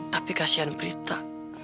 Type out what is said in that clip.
tapi kasihan prita